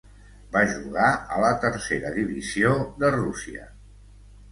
Va jugar a la tercera divisió de Rússia.